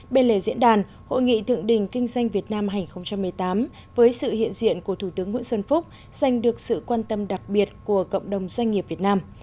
bên lề diễn đàn hội nghị thượng đỉnh kinh doanh việt nam hai nghìn một mươi tám với sự hiện diện của thủ tướng nguyễn xuân phúc dành được sự quan tâm đặc biệt của cộng đồng doanh nghiệp việt nam